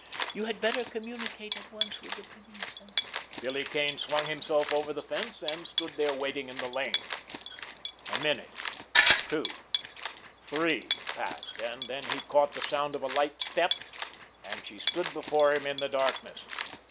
You had better communicate at once with the police, and——" Billy Kane swung himself over the fence, and stood there waiting in the lane. A minute, two, three passed, and then he caught the sound of a light step, and she stood before him in the darkness.